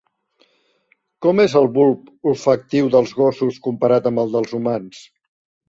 Com és el bulb olfactiu dels gossos comparat amb el dels humans?